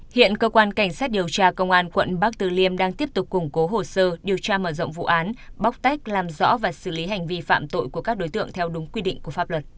hiện cơ quan cảnh sát điều tra công an quận bắc từ liêm đang tiếp tục củng cố hồ sơ điều tra mở rộng vụ án bóc tách làm rõ và xử lý hành vi phạm tội của các đối tượng theo đúng quy định của pháp luật